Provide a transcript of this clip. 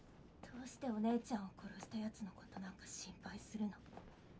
どうしてお姉ちゃんを殺した奴のことなんか心配するの？